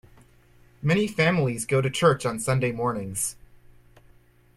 Many families go to church on Sunday mornings.